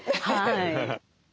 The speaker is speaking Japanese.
はい。